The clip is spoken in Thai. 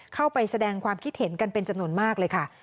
เข้าไปแสดงความคิดเห็นกันเป็นจำนวนมากเลยค่ะ